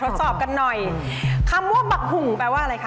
สอบกันหน่อยคำว่าบักหุ่งแปลว่าอะไรคะ